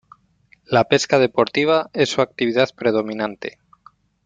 La pesca deportiva es su actividad predominante.